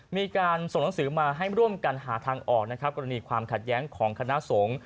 มีการส่งหนังสือมาให้ร่วมกันหาทางออกนะครับกรณีความขัดแย้งของคณะสงฆ์